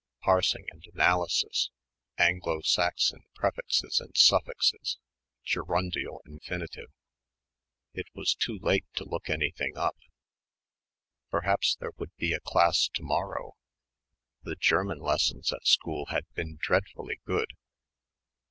Parsing and analysis.... Anglo Saxon prefixes and suffixes ... gerundial infinitive.... It was too late to look anything up. Perhaps there would be a class to morrow.... The German lessons at school had been dreadfully good....